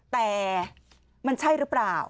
แต่มันใช่หรือเปล่า